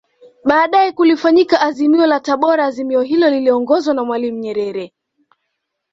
Baadae kulifanyika Azimio la Tabora Azimio hilo liliongozwa na Mwalimu Nyerere